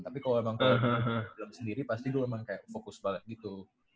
tapi kalau emang gue film sendiri pasti gue emang kayak fokus banget gitu